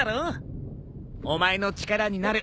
お前の力になる。